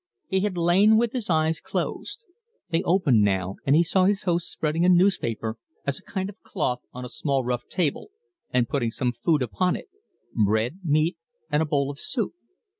He had lain with his eyes closed. They opened now, and he saw his host spreading a newspaper as a kind of cloth on a small rough table, and putting some food upon it bread, meat, and a bowl of soup.